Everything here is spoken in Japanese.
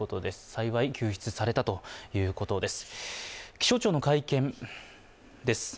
幸い救出されたということです。